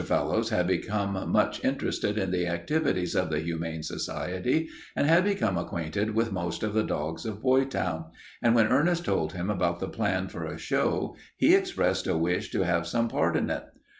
Fellowes had become much interested in the activities of the Humane Society and had become acquainted with most of the dogs of Boytown, and when Ernest told him about the plan for a show he expressed a wish to have some part in it.